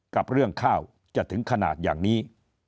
กับเรื่องข้าวจะถึงขนาดอย่างนี้